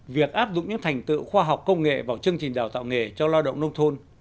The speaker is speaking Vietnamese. việc áp dụng những thành tựu khoa học công nghệ vào chương trình đào tạo nghề cho lao động nông thôn